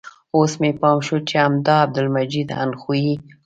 اوس مې پام شو چې همدا عبدالمجید اندخویي و.